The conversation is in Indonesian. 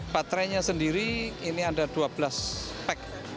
baterainya sendiri ini ada dua belas spek